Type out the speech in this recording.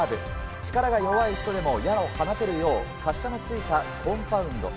力が弱い人でも矢を放ってるよう滑車のついたコンパウンド。